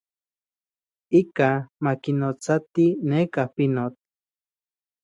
Ikaj ma kinotsati neka pinotl.